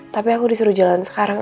tapi aku disuruh jalan sekarang